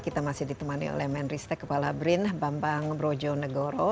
kita masih ditemani oleh menristek kepala brin bambang brojonegoro